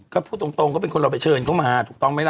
ก็พูดตรงก็เป็นคนเราไปเชิญเข้ามาถูกต้องไหมล่ะ